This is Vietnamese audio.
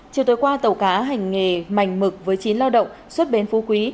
chiều tối qua tàu cá hành nghề mảnh mực với chín lao động xuất bến phú quý